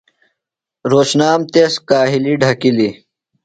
رھوتشنام تس کاہِلیۡ ڈھکِلیۡ۔